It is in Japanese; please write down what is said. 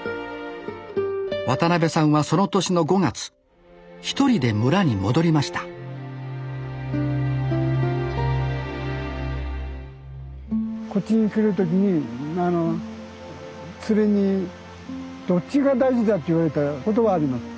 渡邉さんはその年の５月一人で村に戻りましたこっちに来る時にツレにどっちが大事だって言われたことがあります。